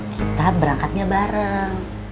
kita berangkatnya bareng